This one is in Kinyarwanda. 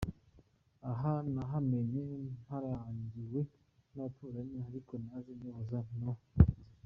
Aha nahamenye mparangiwe n’abaturanyi, ariko naje nyoboza no mu nzira.